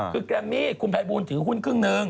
คือแกรมมี่คุณภัยบูลถือหุ้นครึ่งนึง